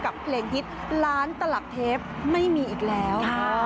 เพลงฮิตล้านตลับเทปไม่มีอีกแล้ว